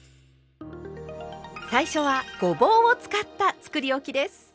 最初はごぼうを使ったつくりおきです。